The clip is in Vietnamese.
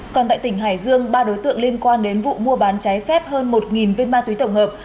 còn tại tỉnh hải dương ba đối tượng liên quan đến vụ mua bán trái phép hơn một viên ma túy tổng hợp